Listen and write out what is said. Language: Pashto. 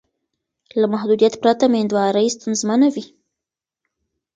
له محدودیت پرته میندواري ستونزمنه وي.